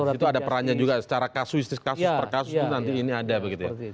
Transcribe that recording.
oh di situ ada perannya juga secara kasus per kasus itu nanti ini ada begitu ya